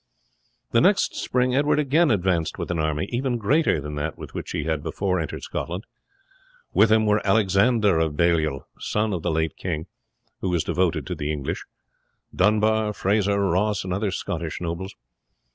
The next spring Edward again advanced with an army even greater than that with which he had before entered Scotland. With him were Alexander of Baliol, son of the late king, who was devoted to the English; Dunbar, Fraser, Ross, and other Scottish nobles.